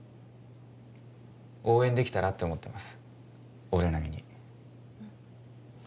応援できたらって思ってます